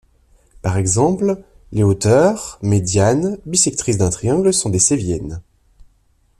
Par exemple, les hauteurs, médianes, bissectrices d'un triangle sont des céviennes.